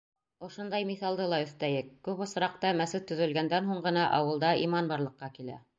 — Ошондай миҫалды ла өҫтәйек: күп осраҡта мәсет төҙөлгәндән һуң ғына ауылда иман барлыҡҡа килә.